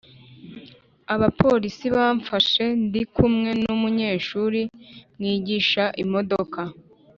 abapolisi bamfashe ndi kumwe n’umunyeshuri mwigisha imodoka